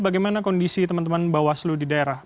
bagaimana kondisi teman teman bawaslu di daerah